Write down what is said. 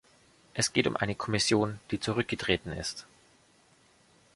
Es geht um eine Kommission, die zurückgetreten ist.